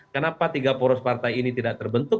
kenapa tiga poros partai ini tidak terbentuk